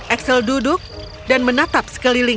axel duduk dan menatap sekeliling